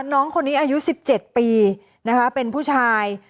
น้องคนนี้อายุ๑๗ปีนะคะเป็นผู้ชาย